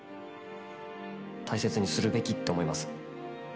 大切にするべきと思います。